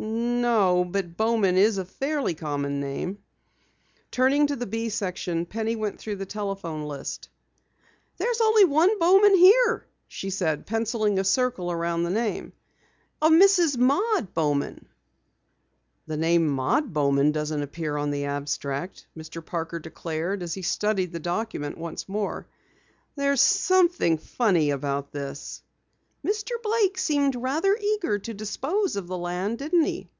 "No, but Bowman is a fairly common name." Turning to the "B" section Penny went through the telephone list. "There's only one Bowman here," she said, penciling a circle around the name. "A Mrs. Maud Bowman." "The name Maud Bowman doesn't appear on the abstract," Mr. Parker declared, as he studied the document once more. "There's something funny about this." "Mr. Blake seemed rather eager to dispose of the land, didn't he?"